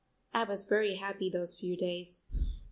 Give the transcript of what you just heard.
I was very happy those few days.